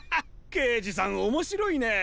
けいじさんおもしろいねえ。